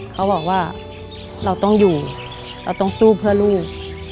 เขาบอกว่าเราต้องอยู่เราต้องสู้เพื่อลูก